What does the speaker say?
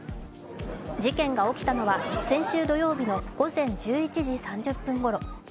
事件が起きたのは先週土曜日の午前１１時３０分ごろ。